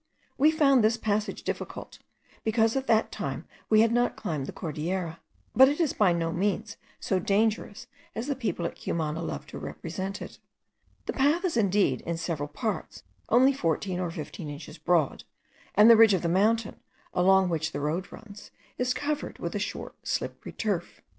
We found this passage difficult, because at that time we had not climbed the Cordilleras; but it is by no means so dangerous as the people at Cumana love to represent it. The path is indeed in several parts only fourteen or fifteen inches broad; and the ridge of the mountain, along which the road runs, is covered with a short slippery turf.